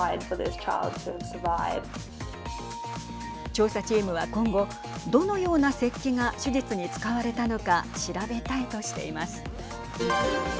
調査チームは今後どのような石器が手術に使われたのか調べたいとしています。